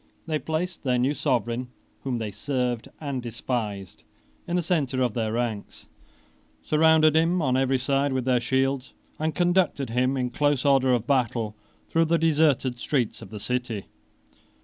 They placed their new sovereign, whom they served and despised, in the centre of their ranks, surrounded him on every side with their shields, and conducted him in close order of battle through the deserted streets of the city.